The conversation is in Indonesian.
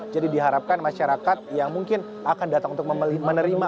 jadi diharapkan masyarakat yang mungkin akan datang untuk menerima